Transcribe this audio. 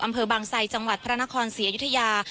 อำเภอบางไซจังหวัดพระนครศรีอยุธยา